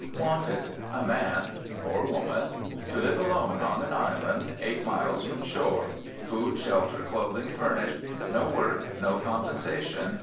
"WANTED A man (or woman) to live alone on an island, eight miles from shore; food, shelter, clothing furnished; no work, no compensation.